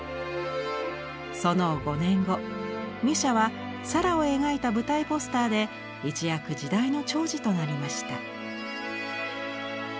その５年後ミュシャはサラを描いた舞台ポスターで一躍時代の寵児となりました。